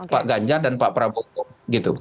pak ganjar dan pak prabowo gitu